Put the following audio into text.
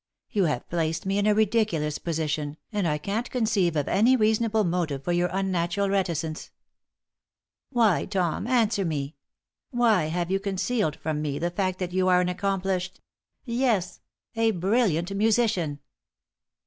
You have placed me in a ridiculous position, and I can't conceive of any reasonable motive for your unnatural reticence. Why, Tom answer me! why have you concealed from me the fact that you are an accomplished yes, a brilliant musician?